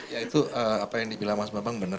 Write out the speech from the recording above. ya itu apa yang dibilang mas bambang benar